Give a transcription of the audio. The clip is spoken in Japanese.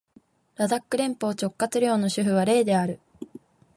ラダック連邦直轄領の首府はレーである